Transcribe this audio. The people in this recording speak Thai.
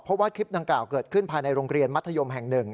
เพราะว่าคลิปดังกล่าวเกิดขึ้นภายในโรงเรียนมัธยมแห่ง๑